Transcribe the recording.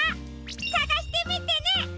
さがしてみてね！